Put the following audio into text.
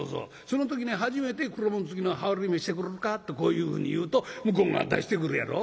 その時に初めて『黒紋付きの羽織見せてくれるか？』とこういうふうに言うと向こうが出してくるやろ。